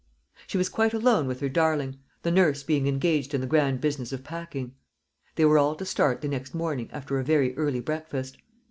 She was quite alone with her darling, the nurse being engaged in the grand business of packing. They were all to start the next morning after a very early breakfast.